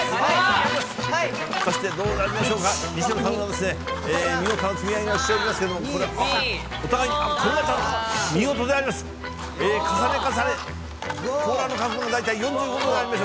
果たしてどうでありましょうか、西野さんがですね、見事な積み上げをしておりますけれども、これ、お互い、見事であります。